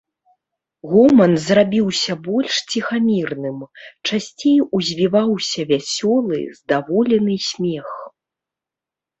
Гоман зрабіўся больш ціхамірным, часцей узвіваўся вясёлы, здаволены смех.